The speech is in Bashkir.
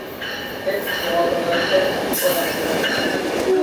Һеҙ яуабығыҙҙы бик оҙаҡ уйлайһығыҙ